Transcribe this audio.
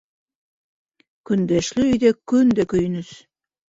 Көндәшле өйҙә көн дә көйөнөс.